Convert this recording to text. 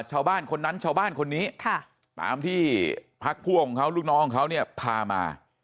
ชาวบ้านคนนั้นชาวบ้านคนนี้ตามที่พักพวกของเขาลูกน้องของเขาเนี่ยพามา